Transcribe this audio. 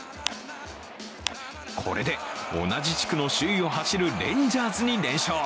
これで同じ地区の首位を走るレンジャーズに連勝。